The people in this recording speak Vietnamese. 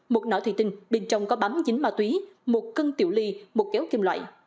một nọ thủy tinh bên trong có bám dính ma túy một cân tiểu ly một kéo kim loại